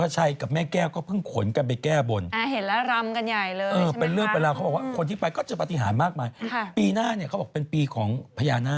ตอนนั้นก่อนเราไปถ่ายกันประมาณกัญญายนเอ๊ะกัญญาป่ะ